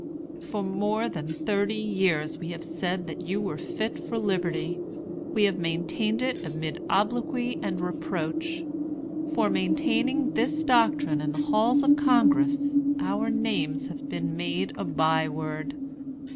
For more than thirty years we have said that you were fit for liberty. We have maintained it amid obloquy and reproach. For maintaining this doctrine in the halls of Congress our names have been made a by word.